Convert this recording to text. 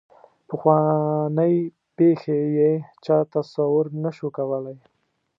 پخوانۍ پېښې یې چا تصور نه شو کولای.